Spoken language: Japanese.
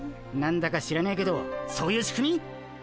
なんだか知らねえけどそういう仕組み？